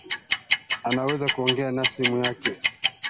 Anaweza kuongea na simu yake